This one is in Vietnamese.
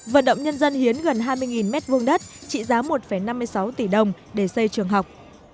vận động nhân dân hiến gần hai mươi m hai đất trị giá một năm mươi sáu tỷ đồng để xây trường học